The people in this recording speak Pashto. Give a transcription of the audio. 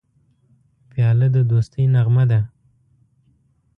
پیاله د دوستی نغمه ده.